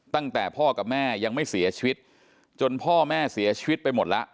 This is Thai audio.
ตั้งแต่พ่อกับแม่ยังไม่เสียชีวิตจนพ่อแม่เสียชีวิตไปหมดแล้ว